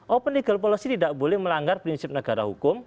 open legal policy tidak boleh melanggar prinsip negara hukum